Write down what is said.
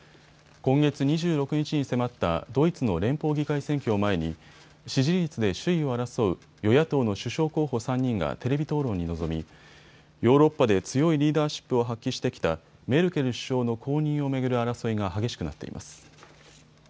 今月２６日に迫ったドイツの連邦議会選挙を前に支持率で首位を争う与野党の首相候補３人がテレビ討論に臨みヨーロッパで強いリーダーシップを発揮してきたメルケル首相の後任を巡る争いが激しくなっています。